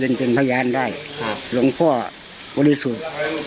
พระอาจารย์เป็นพยานได้หลวงพ่อบริสุทธิ์